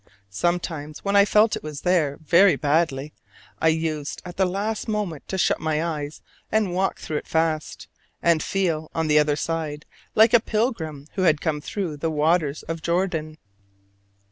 Sometimes when I felt it was there very badly, I used at the last moment to shut my eyes and walk through it: and feel, on the other side, like a pilgrim who had come through the waters of Jordan.